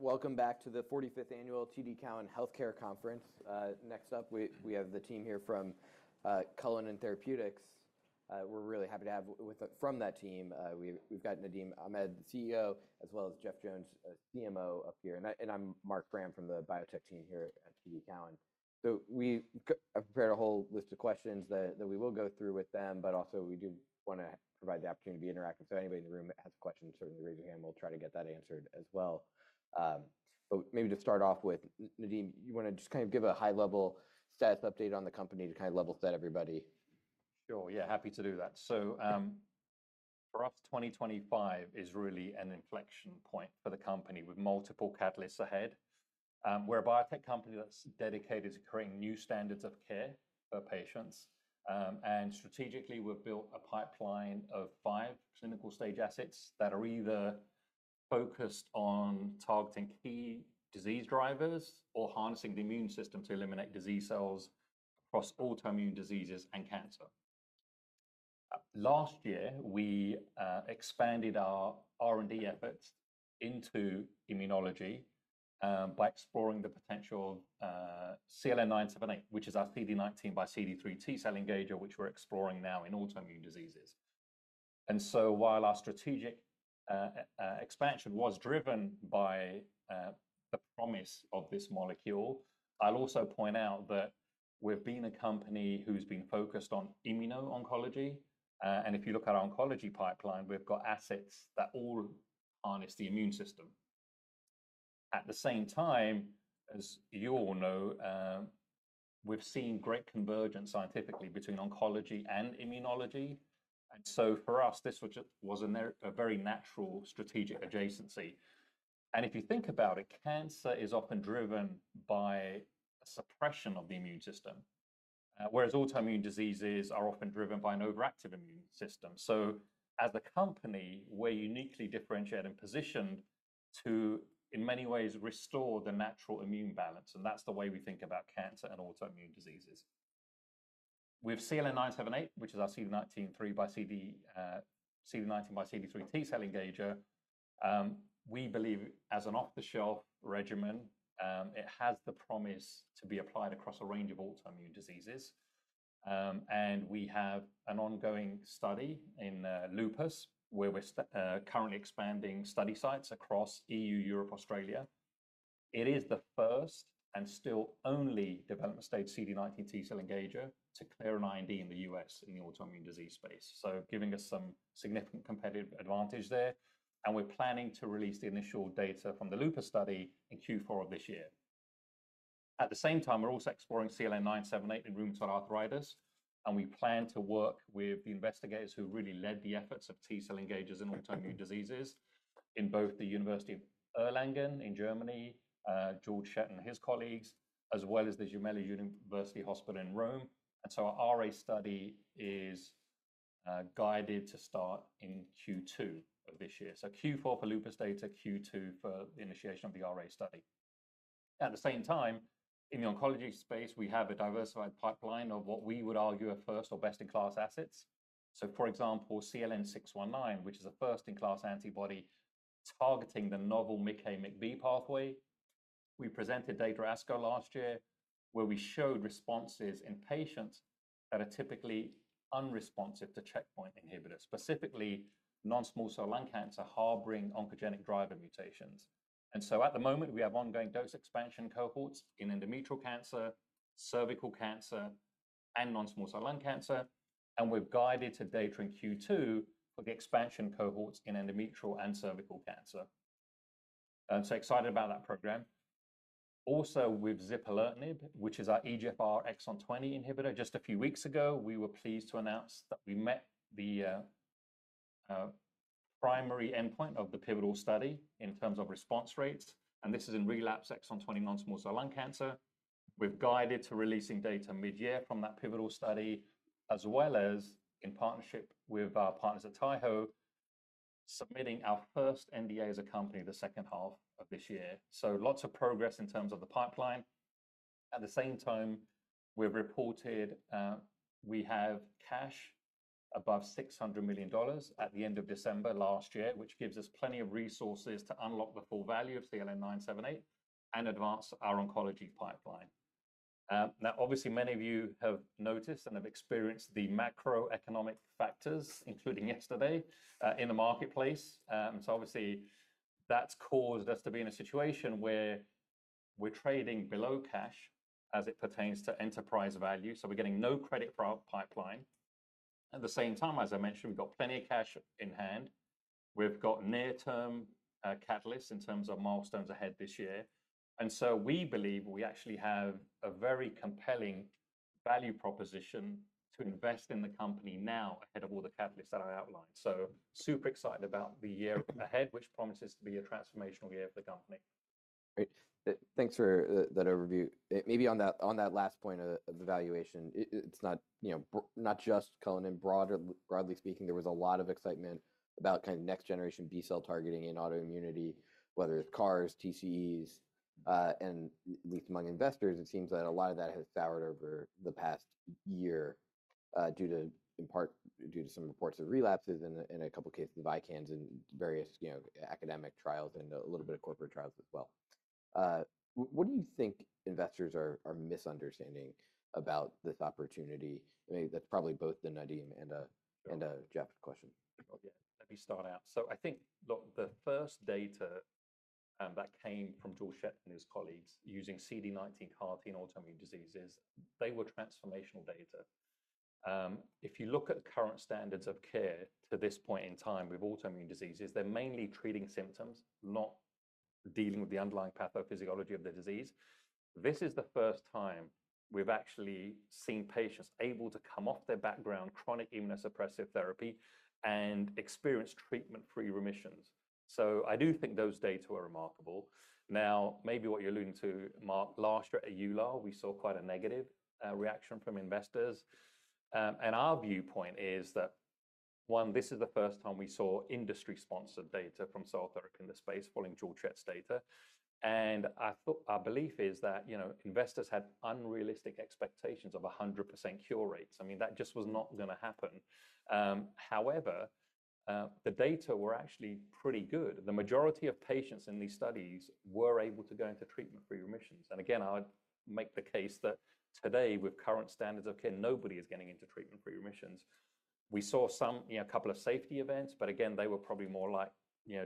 Welcome back to the 45th Annual TD Cowen Healthcare Conference. Next up, we have the team here from Cullinan Therapeutics. We're really happy to have from that team. We've got Nadim Ahmed, CEO, as well as Jeff Jones, CMO, up here. I'm Marc Frahm from the biotech team here at TD Cowen. We prepared a whole list of questions that we will go through with them, but also we do want to provide the opportunity to be interactive. Anybody in the room that has a question, certainly raise your hand. We'll try to get that answered as well. Maybe to start off with, Nadim, you want to just kind of give a high-level status update on the company to kind of level set everybody? Sure. Yeah, happy to do that. For us, 2025 is really an inflection point for the company with multiple catalysts ahead. We're a biotech company that's dedicated to creating new standards of care for patients. Strategically, we've built a pipeline of five clinical stage assets that are either focused on targeting key disease drivers or harnessing the immune system to eliminate disease cells across autoimmune diseases and cancer. Last year, we expanded our R&D efforts into immunology by exploring the potential of CLN-978, which is our CD19xCD3 T cell engager, which we're exploring now in autoimmune diseases. While our strategic expansion was driven by the promise of this molecule, I'll also point out that we've been a company who's been focused on immuno-oncology. If you look at our oncology pipeline, we've got assets that all harness the immune system. At the same time, as you all know, we've seen great convergence scientifically between oncology and immunology. For us, this was a very natural strategic adjacency. If you think about it, cancer is often driven by suppression of the immune system, whereas autoimmune diseases are often driven by an overactive immune system. As a company, we're uniquely differentiated and positioned to, in many ways, restore the natural immune balance. That's the way we think about cancer and autoimmune diseases. With CLN-978, which is our CD19xCD3 T cell engager, we believe as an off-the-shelf regimen, it has the promise to be applied across a range of autoimmune diseases. We have an ongoing study in lupus, where we're currently expanding study sites across EU, Europe and Australia. It is the first and still only development stage CD19 T cell engager to clear an IND in the U.S. in the autoimmune disease space, giving us some significant competitive advantage there. We are planning to release the initial data from the lupus study in Q4 of this year. At the same time, we are also exploring CLN-978 in rheumatoid arthritis. We plan to work with the investigators who really led the efforts of T cell engagers in autoimmune diseases in both the University of Erlangen in Germany, Georg Schett and his colleagues, as well as the Gemelli University Hospital in Rome. Our RA study is guided to start in Q2 of this year. Q4 for lupus data, Q2 for the initiation of the RA study. At the same time, in the oncology space, we have a diversified pipeline of what we would argue are first or best-in-class assets. For example, CLN-619, which is a first-in-class antibody targeting the novel MICA/B pathway. We presented data at ASCO last year, where we showed responses in patients that are typically unresponsive to checkpoint inhibitors, specifically non-small cell lung cancer harboring oncogenic driver mutations. At the moment, we have ongoing dose expansion cohorts in endometrial cancer, cervical cancer, and non-small cell lung cancer. We have guided to data in Q2 for the expansion cohorts in endometrial and cervical cancer. I'm so excited about that program. Also, with zipalertinib, which is our EGFR exon 20 inhibitor, just a few weeks ago, we were pleased to announce that we met the primary endpoint of the pivotal study in terms of response rates. This is in relapsed exon 20 non-small cell lung cancer. We have guided to releasing data mid-year from that pivotal study, as well as in partnership with our partners at Taiho, submitting our first NDA as a company the second half of this year. Lots of progress in terms of the pipeline. At the same time, we have reported we have cash above $600 million at the end of December last year, which gives us plenty of resources to unlock the full value of CLN-978 and advance our oncology pipeline. Obviously, many of you have noticed and have experienced the macroeconomic factors, including yesterday, in the marketplace. That has caused us to be in a situation where we are trading below cash as it pertains to enterprise value. We are getting no credit pipeline. At the same time, as I mentioned, we have plenty of cash in hand. We've got near-term catalysts in terms of milestones ahead this year. We believe we actually have a very compelling value proposition to invest in the company now ahead of all the catalysts that I outlined. Super excited about the year ahead, which promises to be a transformational year for the company. Great. Thanks for that overview. Maybe on that last point of evaluation, it's not just Cullinan. Broadly speaking, there was a lot of excitement about kind of next-generation B-cell targeting in autoimmunity, whether it's CARs, TCEs. At least among investors, it seems that a lot of that has soured over the past year, in part, due to some reports of relapses and a couple of cases of ICANS in various academic trials and a little bit of corporate trials as well. What do you think investors are misunderstanding about this opportunity? I mean, that's probably both the Nadim and Jeff's question. Yeah, let me start out. I think the first data that came from Georg Schett and his colleagues using CD19 CAR-T in autoimmune diseases, they were transformational data. If you look at current standards of care to this point in time with autoimmune diseases, they're mainly treating symptoms, not dealing with the underlying pathophysiology of the disease. This is the first time we've actually seen patients able to come off their background chronic immunosuppressive therapy and experience treatment-free remissions. I do think those data were remarkable. Maybe what you're alluding to, Marc, last year at EULAR, we saw quite a negative reaction from investors. Our viewpoint is that, one, this is the first time we saw industry-sponsored data from cell therapy in the space following Georg Schett's data. Our belief is that investors had unrealistic expectations of 100% cure rates. I mean, that just was not going to happen. However, the data were actually pretty good. The majority of patients in these studies were able to go into treatment-free remissions. Again, I would make the case that today, with current standards of care, nobody is getting into treatment-free remissions. We saw a couple of safety events, but again, they were probably more like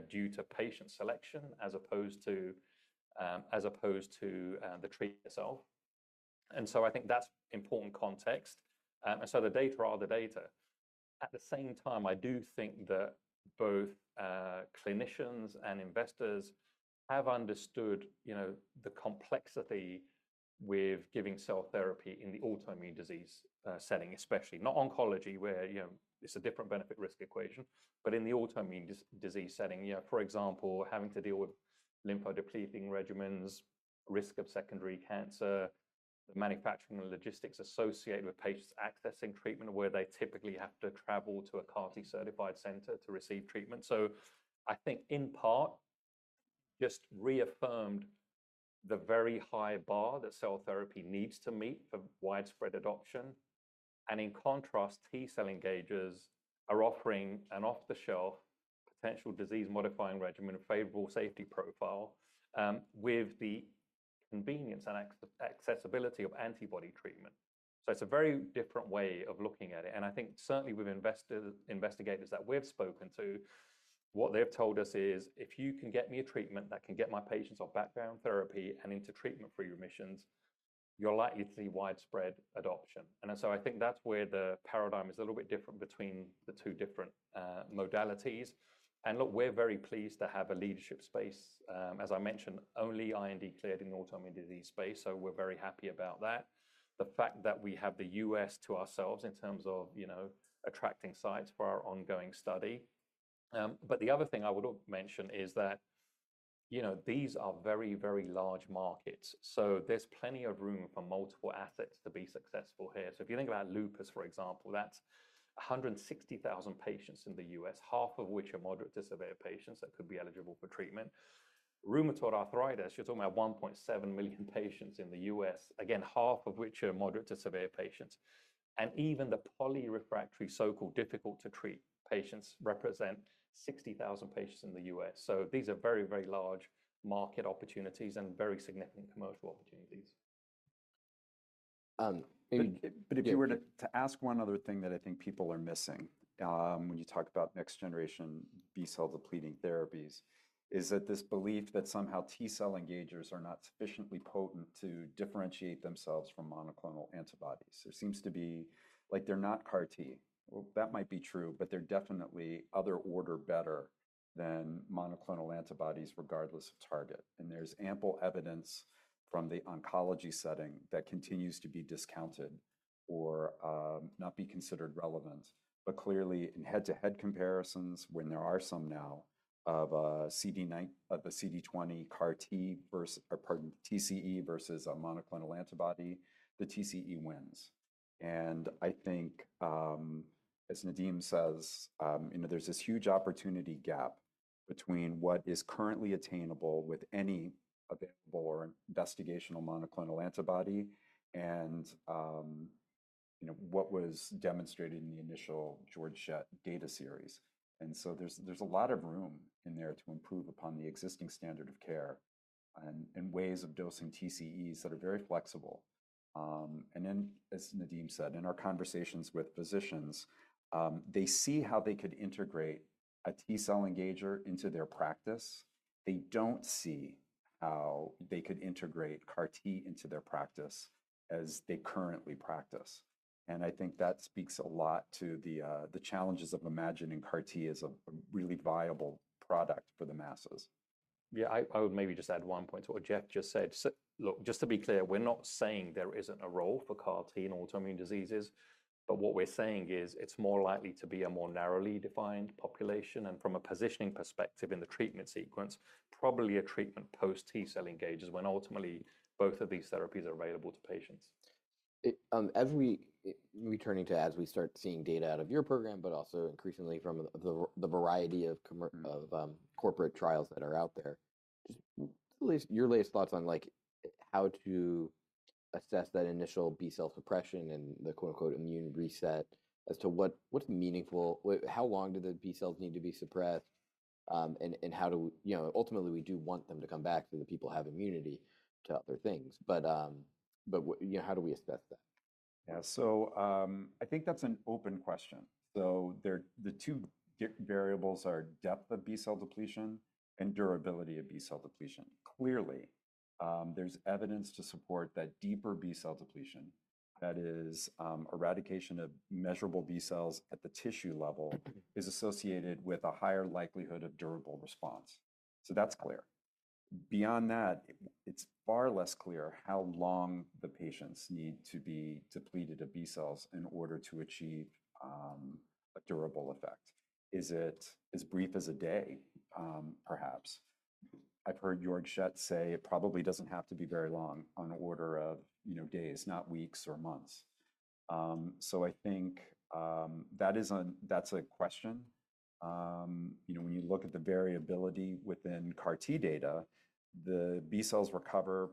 due to patient selection as opposed to the treatment itself. I think that's important context. The data are the data. At the same time, I do think that both clinicians and investors have understood the complexity with giving cell therapy in the autoimmune disease setting, especially not oncology, where it's a different benefit-risk equation, but in the autoimmune disease setting. For example, having to deal with lymphodepleting regimens, risk of secondary cancer, the manufacturing and logistics associated with patients accessing treatment, where they typically have to travel to a CAR-T certified center to receive treatment. I think, in part, just reaffirmed the very high bar that cell therapy needs to meet for widespread adoption. In contrast, T cell engagers are offering an off-the-shelf potential disease-modifying regimen of favorable safety profile with the convenience and accessibility of antibody treatment. It is a very different way of looking at it. I think certainly with investigators that we've spoken to, what they've told us is, if you can get me a treatment that can get my patients off background therapy and into treatment-free remissions, you're likely to see widespread adoption. I think that's where the paradigm is a little bit different between the two different modalities. Look, we're very pleased to have a leadership space. As I mentioned, only IND cleared in the autoimmune disease space, so we're very happy about that. The fact that we have the U.S. to ourselves in terms of attracting sites for our ongoing study. The other thing I would mention is that these are very, very large markets. There's plenty of room for multiple assets to be successful here. If you think about lupus, for example, that's 160,000 patients in the U.S., half of which are moderate to severe patients that could be eligible for treatment. Rheumatoid arthritis, you're talking about 1.7 million patients in the U.S., again, half of which are moderate to severe patients. Even the polyrefractory, so-called difficult-to-treat patients represent 60,000 patients in the U.S. These are very, very large market opportunities and very significant commercial opportunities. If you were to ask one other thing that I think people are missing when you talk about next-generation B-cell depleting therapies, it is that this belief that somehow T cell engagers are not sufficiently potent to differentiate themselves from monoclonal antibodies. There seems to be like they're not CAR-T. That might be true, but they're definitely other order better than monoclonal antibodies regardless of target. There is ample evidence from the oncology setting that continues to be discounted or not be considered relevant. Clearly, in head-to-head comparisons, when there are some now of the CD20 CAR-T versus TCE versus a monoclonal antibody, the TCE wins. I think, as Nadim says, there is this huge opportunity gap between what is currently attainable with any available or investigational monoclonal antibody and what was demonstrated in the initial Georg Schett data series. There is a lot of room in there to improve upon the existing standard of care and ways of dosing TCEs that are very flexible. As Nadim said, in our conversations with physicians, they see how they could integrate a T cell engager into their practice. They do not see how they could integrate CAR-T into their practice as they currently practice. I think that speaks a lot to the challenges of imagining CAR-T as a really viable product for the masses. Yeah, I would maybe just add one point to what Jeff just said. Look, just to be clear, we're not saying there isn't a role for CAR-T in autoimmune diseases. What we're saying is it's more likely to be a more narrowly defined population. From a positioning perspective in the treatment sequence, probably a treatment post-T cell engagers when ultimately both of these therapies are available to patients. As we return to, as we start seeing data out of your program, but also increasingly from the variety of corporate trials that are out there, your latest thoughts on how to assess that initial B-cell suppression and the "immune reset" as to what's meaningful? How long do the B-cells need to be suppressed? How do we ultimately, we do want them to come back so that people have immunity to other things. How do we assess that? Yeah, so I think that's an open question. The two variables are depth of B-cell depletion and durability of B-cell depletion. Clearly, there's evidence to support that deeper B-cell depletion, that is, eradication of measurable B-cells at the tissue level, is associated with a higher likelihood of durable response. That's clear. Beyond that, it's far less clear how long the patients need to be depleted of B-cells in order to achieve a durable effect. Is it as brief as a day, perhaps? I've heard Georg Schett say it probably doesn't have to be very long, on order of days, not weeks or months. I think that's a question. When you look at the variability within CAR-T data, the B-cells recover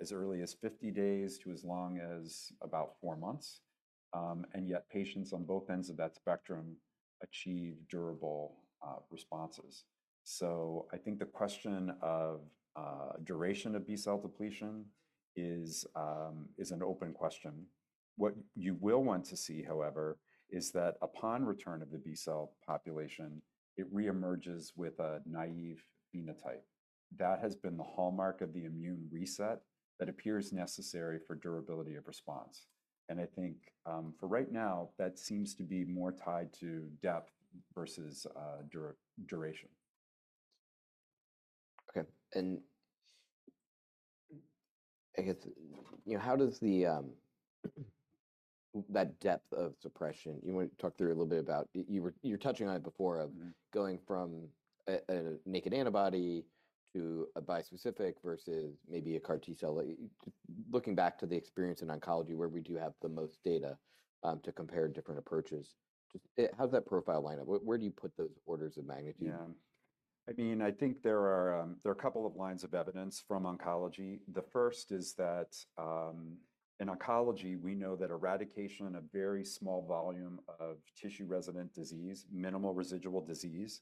as early as 50 days to as long as about four months. Yet patients on both ends of that spectrum achieve durable responses. I think the question of duration of B-cell depletion is an open question. What you will want to see, however, is that upon return of the B-cell population, it reemerges with a naive phenotype. That has been the hallmark of the immune reset that appears necessary for durability of response. I think for right now, that seems to be more tied to depth versus duration. Okay. I guess, how does that depth of suppression you want to talk through a little bit about? You were touching on it before of going from a naked antibody to a bispecific versus maybe a CAR-T cell. Looking back to the experience in oncology, where we do have the most data to compare different approaches, how does that profile line up? Where do you put those orders of magnitude? Yeah. I mean, I think there are a couple of lines of evidence from oncology. The first is that in oncology, we know that eradication of very small volume of tissue-resident disease, minimal residual disease,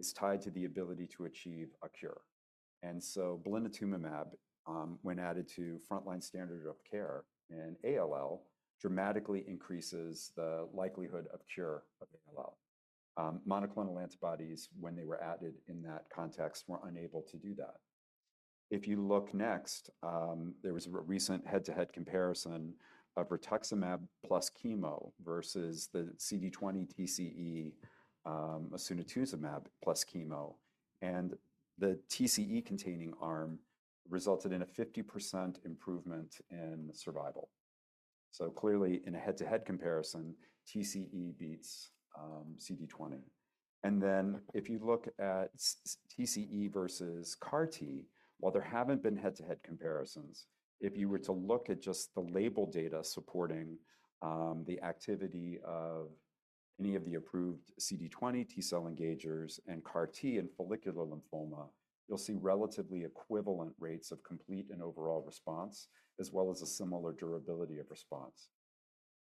is tied to the ability to achieve a cure. Blinatumomab, when added to frontline standard of care in ALL, dramatically increases the likelihood of cure of ALL. Monoclonal antibodies, when they were added in that context, were unable to do that. If you look next, there was a recent head-to-head comparison of rituximab plus chemo versus the CD20 TCE, mosunetuzumab plus chemo. The TCE-containing arm resulted in a 50% improvement in survival. Clearly, in a head-to-head comparison, TCE beats CD20. If you look at TCE versus CAR-T, while there haven't been head-to-head comparisons, if you were to look at just the label data supporting the activity of any of the approved CD20 T cell engagers and CAR-T in follicular lymphoma, you'll see relatively equivalent rates of complete and overall response, as well as a similar durability of response.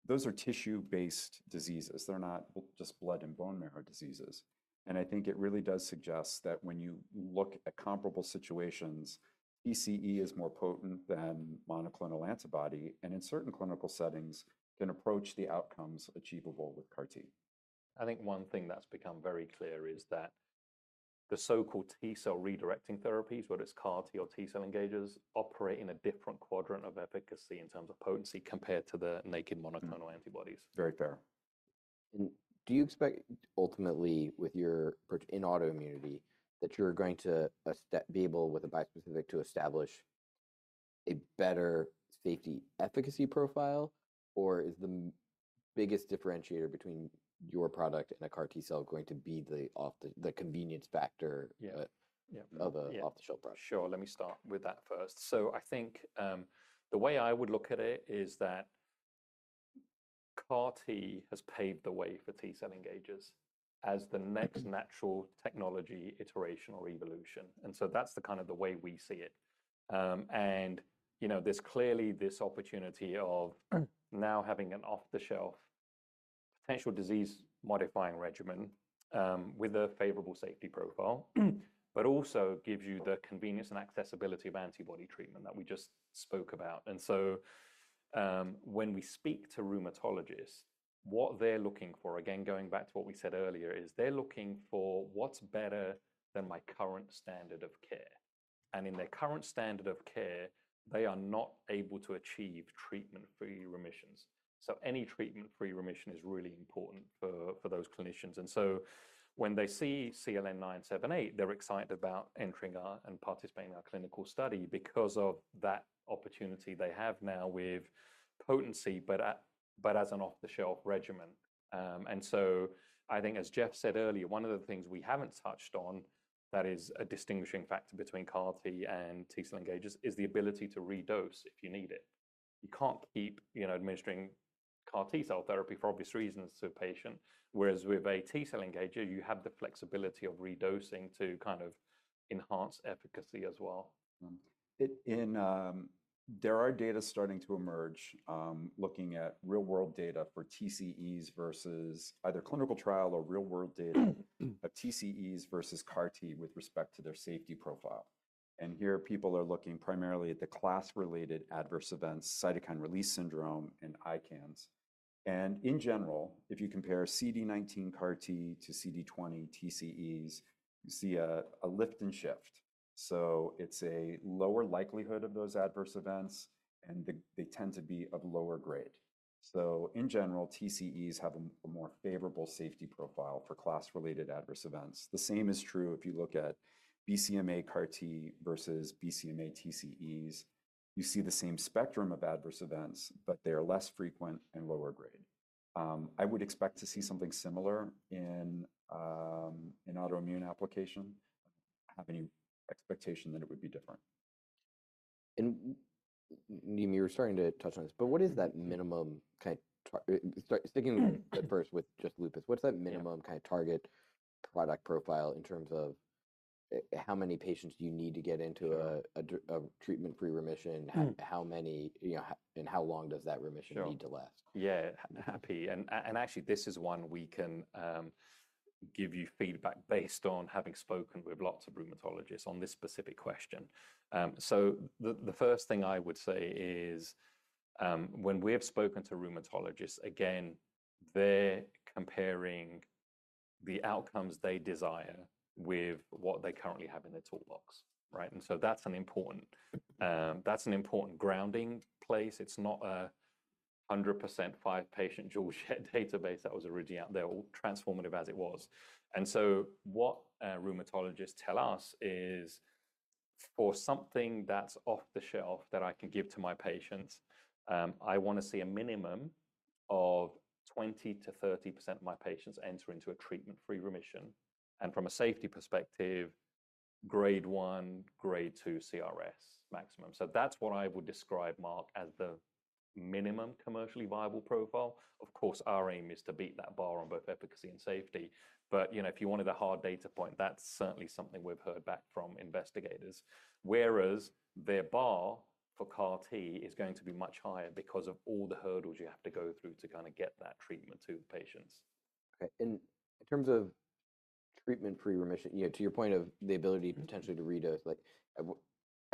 Those are tissue-based diseases. They're not just blood and bone marrow diseases. I think it really does suggest that when you look at comparable situations, TCE is more potent than monoclonal antibody. In certain clinical settings, it can approach the outcomes achievable with CAR-T. I think one thing that's become very clear is that the so-called T-cell redirecting therapies, whether it's CAR-T or T-cell engagers, operate in a different quadrant of efficacy in terms of potency compared to the naked monoclonal antibodies. Very fair. Do you expect ultimately, with your approach in autoimmunity, that you're going to be able with a bispecific to establish a better safety efficacy profile? Or is the biggest differentiator between your product and a CAR-T cell going to be the convenience factor of an off-the-shelf product? Sure. Let me start with that first. I think the way I would look at it is that CAR-T has paved the way for T cell engagers as the next natural technology iteration or evolution. That is the kind of the way we see it. Clearly, this opportunity of now having an off-the-shelf potential disease-modifying regimen with a favorable safety profile also gives you the convenience and accessibility of antibody treatment that we just spoke about. When we speak to rheumatologists, what they're looking for, again, going back to what we said earlier, is they're looking for what's better than my current standard of care. In their current standard of care, they are not able to achieve treatment-free remissions. Any treatment-free remission is really important for those clinicians. When they see CLN-978, they're excited about entering and participating in our clinical study because of that opportunity they have now with potency but as an off-the-shelf regimen. I think, as Jeff said earlier, one of the things we haven't touched on that is a distinguishing factor between CAR-T and T-cell engagers is the ability to redose if you need it. You can't keep administering CAR-T cell therapy for obvious reasons to a patient, whereas with a T-cell engager, you have the flexibility of redosing to kind of enhance efficacy as well. There are data starting to emerge looking at real-world data for TCEs versus either clinical trial or real-world data of TCEs versus CAR-T with respect to their safety profile. Here, people are looking primarily at the class-related adverse events, cytokine release syndrome, and ICANS. In general, if you compare CD19 CAR-T to CD20 TCEs, you see a lift and shift. It is a lower likelihood of those adverse events, and they tend to be of lower grade. In general, TCEs have a more favorable safety profile for class-related adverse events. The same is true if you look at BCMA CAR-T versus BCMA TCEs. You see the same spectrum of adverse events, but they are less frequent and lower grade. I would expect to see something similar in autoimmune application. I do not have any expectation that it would be different. Nadim, you were starting to touch on this. What is that minimum kind of sticking at first with just lupus? What is that minimum kind of target product profile in terms of how many patients do you need to get into a treatment-free remission? How many? And how long does that remission need to last? Yeah, happy. Actually, this is one we can give you feedback based on having spoken with lots of rheumatologists on this specific question. The first thing I would say is when we have spoken to rheumatologists, again, they're comparing the outcomes they desire with what they currently have in their toolbox, right? That's an important grounding place. It's not a 100% five-patient Georg Schett database that was originally out there, or transformative as it was. What rheumatologists tell us is, for something that's off-the-shelf that I can give to my patients, I want to see a minimum of 20%-30% of my patients enter into a treatment-free remission. From a safety perspective, grade 1, grade 2 CRS maximum. That's what I would describe, Marc, as the minimum commercially viable profile. Of course, our aim is to beat that bar on both efficacy and safety. If you wanted a hard data point, that's certainly something we've heard back from investigators. Whereas their bar for CAR-T is going to be much higher because of all the hurdles you have to go through to kind of get that treatment to patients. Okay. In terms of treatment-free remission, to your point of the ability potentially to redose,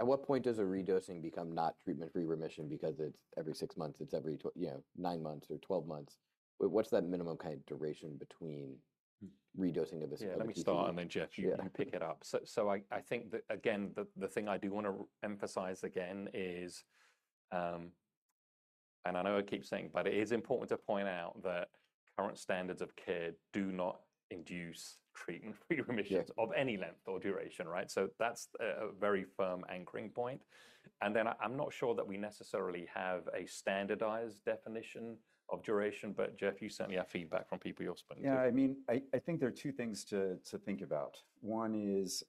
at what point does a redosing become not treatment-free remission because it's every six months, it's every nine months or 12 months? What's that minimum kind of duration between redosing of this? Let me start, and then Jeff, you can pick it up. I think, again, the thing I do want to emphasize again is, and I know I keep saying, but it is important to point out that current standards of care do not induce treatment-free remissions of any length or duration. Right? That is a very firm anchoring point. I am not sure that we necessarily have a standardized definition of duration. Jeff, you certainly have feedback from people you are spoken to. Yeah. I mean, I think there are two things to think about. One is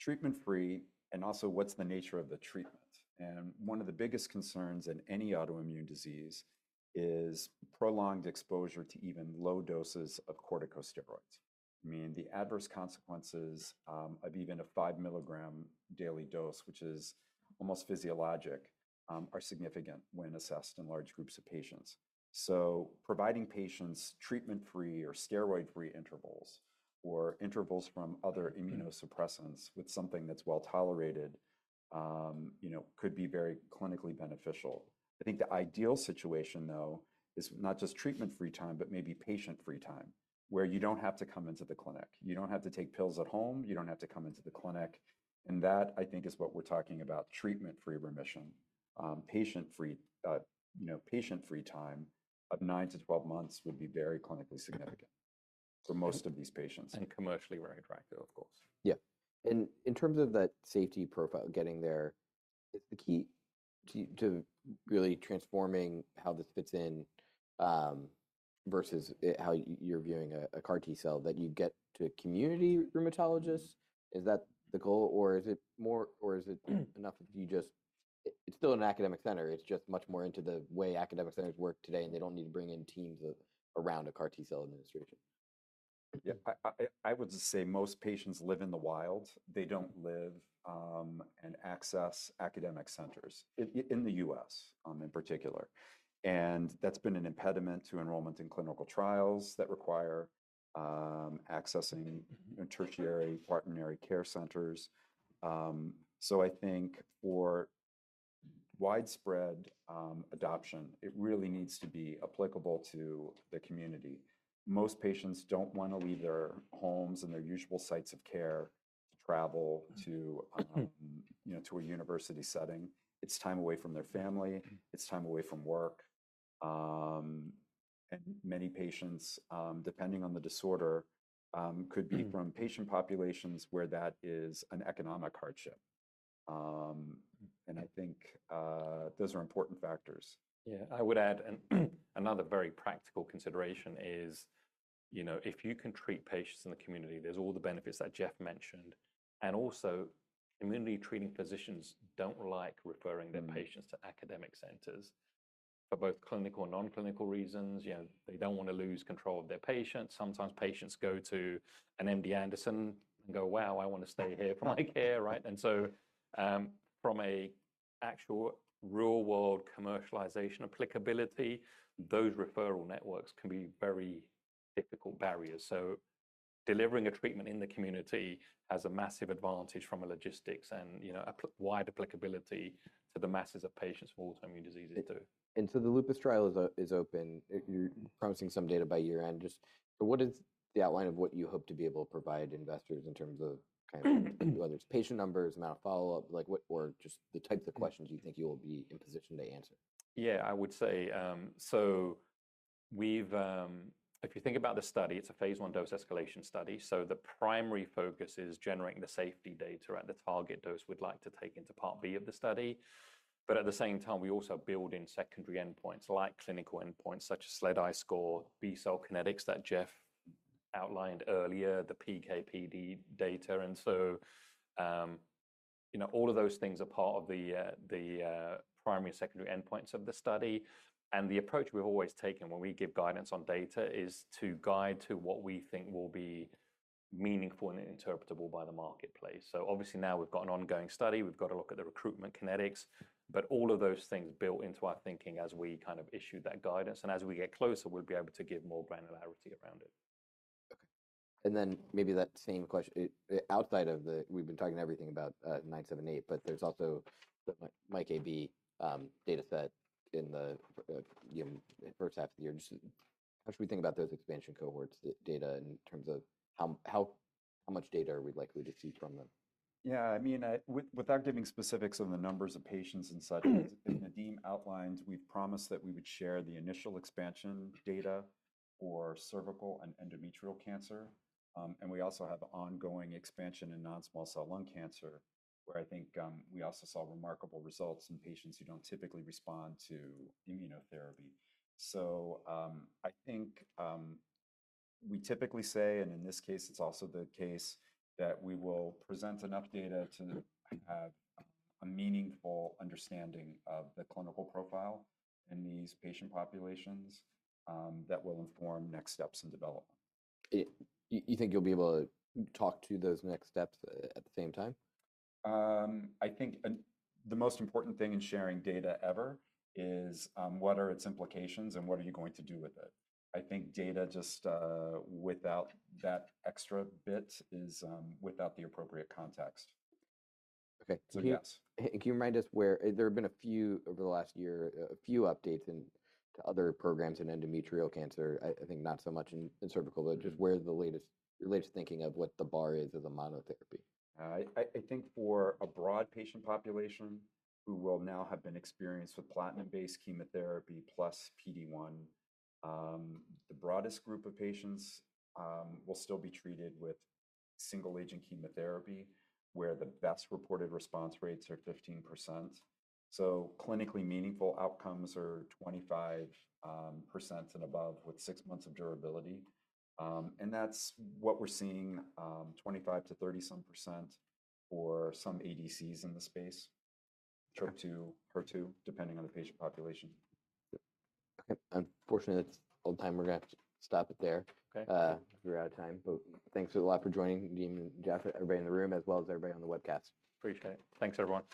treatment-free and also what's the nature of the treatment. One of the biggest concerns in any autoimmune disease is prolonged exposure to even low doses of corticosteroids. I mean, the adverse consequences of even a 5 mg daily dose, which is almost physiologic, are significant when assessed in large groups of patients. Providing patients treatment-free or steroid-free intervals or intervals from other immunosuppressants with something that's well tolerated could be very clinically beneficial. I think the ideal situation, though, is not just treatment-free time, but maybe patient-free time, where you don't have to come into the clinic. You don't have to take pills at home. You don't have to come into the clinic. That, I think, is what we're talking about, treatment-free remission. Patient-free time of 9-12 months would be very clinically significant for most of these patients. Commercially very attractive, of course. Yeah. In terms of that safety profile getting there, it's the key to really transforming how this fits in versus how you're viewing a CAR-T cell that you get to community rheumatologists. Is that the goal? Or is it enough if you just, it's still an academic center. It's just much more into the way academic centers work today. They don't need to bring in teams around a CAR-T cell administration. Yeah. I would just say most patients live in the wild. They don't live and access academic centers in the U.S., in particular. That's been an impediment to enrollment in clinical trials that require accessing tertiary partner care centers. I think for widespread adoption, it really needs to be applicable to the community. Most patients don't want to leave their homes and their usual sites of care to travel to a university setting. It's time away from their family. It's time away from work. Many patients, depending on the disorder, could be from patient populations where that is an economic hardship. I think those are important factors. Yeah. I would add another very practical consideration is if you can treat patients in the community, there's all the benefits that Jeff mentioned. Also, community treating physicians do not like referring their patients to academic centers for both clinical and non-clinical reasons. They do not want to lose control of their patients. Sometimes patients go to an MD Anderson and go, "Wow, I want to stay here for my care." Right? From an actual real-world commercialization applicability, those referral networks can be very difficult barriers. Delivering a treatment in the community has a massive advantage from a logistics and wide applicability to the masses of patients with autoimmune diseases too. The lupus trial is open. You're promising some data by year-end. Just what is the outline of what you hope to be able to provide investors in terms of kind of whether it's patient numbers, amount of follow-up, or just the types of questions you think you will be in position to answer? Yeah. I would say so if you think about the study, it's a phase I dose escalation study. The primary focus is generating the safety data at the target dose we'd like to take into part B of the study. At the same time, we also build in secondary endpoints like clinical endpoints such as SLEDAI score, B-cell kinetics that Jeff outlined earlier, the PKPD data. All of those things are part of the primary and secondary endpoints of the study. The approach we've always taken when we give guidance on data is to guide to what we think will be meaningful and interpretable by the marketplace. Obviously, now we've got an ongoing study. We've got to look at the recruitment kinetics. All of those things are built into our thinking as we kind of issue that guidance. As we get closer, we'll be able to give more granularity around it. Okay. Maybe that same question outside of the we've been talking everything about CLN-978, but there's also the MICA/B dataset in the first half of the year. How should we think about those expansion cohorts data in terms of how much data are we likely to see from them? Yeah. I mean, without giving specifics on the numbers of patients and such, as Nadim outlined, we've promised that we would share the initial expansion data for cervical and endometrial cancer. We also have ongoing expansion in non-small cell lung cancer, where I think we also saw remarkable results in patients who do not typically respond to immunotherapy. I think we typically say, and in this case, it is also the case that we will present enough data to have a meaningful understanding of the clinical profile in these patient populations that will inform next steps in development. You think you'll be able to talk to those next steps at the same time? I think the most important thing in sharing data ever is what are its implications and what are you going to do with it. I think data just without that extra bit is without the appropriate context. Okay. Can you remind us where there have been a few over the last year, a few updates to other programs in endometrial cancer, I think not so much in cervical, but just where's the latest thinking of what the bar is of the monotherapy? I think for a broad patient population who will now have been experienced with platinum-based chemotherapy plus PD-1, the broadest group of patients will still be treated with single-agent chemotherapy, where the best reported response rates are 15%. Clinically meaningful outcomes are 25% and above with six months of durability. That is what we are seeing, 25%-30% for some ADCs in the space, HER2, depending on the patient population. Okay. Unfortunately, that's all the time we're going to have to stop it there. Okay. We're out of time. Thanks a lot for joining, Nadim and Jeff, everybody in the room, as well as everybody on the webcast. Appreciate it. Thanks, everyone.